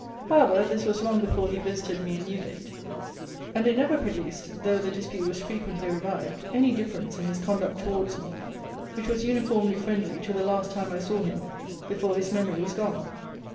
However, this was long before he visited me in Newgate: and it never produced (though the dispute was frequently revived) any difference in his conduct towards me, which was uniformly friendly to the last time I saw him before his memory was gone.